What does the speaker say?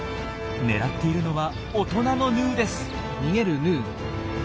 狙っているのは大人のヌーです。